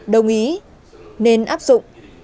đồng ý nên áp dụng